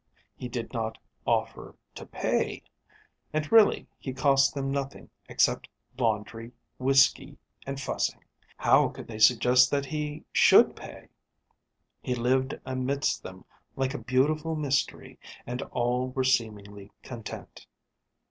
He did not offer to pay. And really he cost them nothing except laundry, whisky and fussing. How could they suggest that he should pay? He lived amidst them like a beautiful mystery, and all were seemingly content.